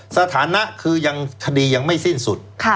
สถานะคือยังคดียังไม่สิ้นสุด